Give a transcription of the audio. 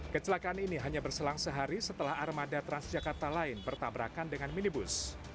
kecelakaan ini hanya berselang sehari setelah armada transjakarta lain bertabrakan dengan minibus